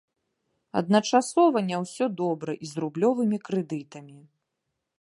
Адначасова не ўсё добра і з рублёвымі крэдытамі.